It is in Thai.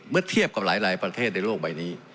เทียบกับหลายประเทศในโลกใบนี้